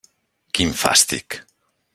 Quin fàstic!